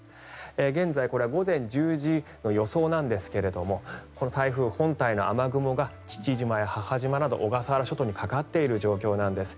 現在これは午前１０時の予想ですが台風本体の雨雲が父島や母島など小笠原諸島にかかっている状況なんです。